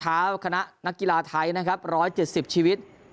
ท้าคณะนักกีฬาไทยนะครับร้อยเจ็ดสิบชีวิต